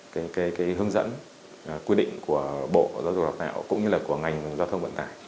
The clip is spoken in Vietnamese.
cái hướng dẫn quy định của bộ giáo dục đào tạo cũng như là của ngành giao thông vận tải